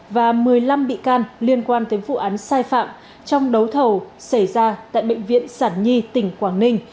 và một mươi năm bị can liên quan tới vụ án sai phạm trong đấu thầu xảy ra tại bệnh viện sản nhi tỉnh quảng ninh